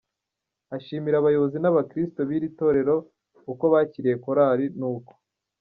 ashimira abayobozi nabakiristo biri torero uko bakiriye chorale, nuko.